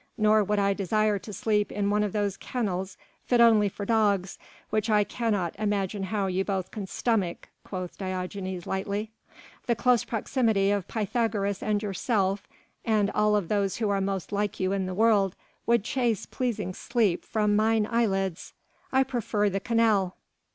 "Nor would I desire to sleep in one of those kennels fit only for dogs which I cannot imagine how you both can stomach," quoth Diogenes lightly; "the close proximity of Pythagoras and yourself and of all those who are most like you in the world would chase pleasing sleep from mine eyelids. I prefer the Canal."